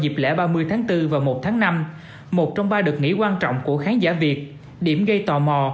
dịp lễ ba mươi tháng bốn và một tháng năm một trong ba đợt nghỉ quan trọng của khán giả việt điểm gây tò mò